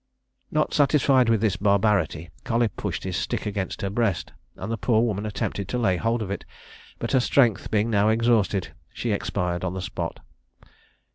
Not satisfied with this barbarity, Colley pushed his stick against her breast, and the poor woman attempted to lay hold of it; but her strength being now exhausted, she expired on the spot.